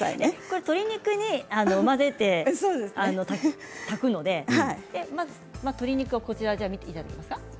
鶏肉に混ぜて炊くので見ていただけますか。